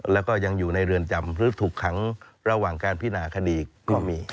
แล้วก็ยังอยู่ในเรือนจำหรือถูกขังระหว่างการพินาคดีก็มี